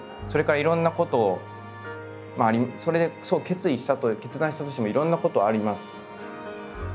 それからいろんなことをそれでそう決意したと決断したとしてもいろんなことあります。